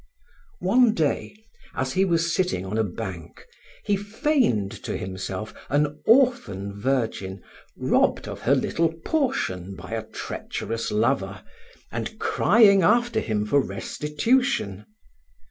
One day, as he was sitting on a bank, he feigned to himself an orphan virgin robbed of her little portion by a treacherous lover, and crying after him for restitution.